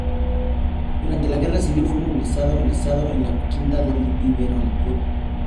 Durante la Guerra Civil fue movilizado en la conocida quinta del biberón.